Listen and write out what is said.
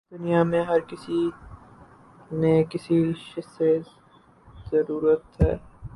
دنیا میں ہر کسی کو کسی نہ کسی شے کی ضرورت ہے۔